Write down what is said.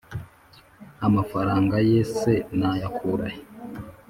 amafaranga ye se nayakurahe,